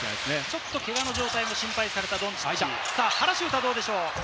ちょっとけがの状態も心配されたドンチッチです。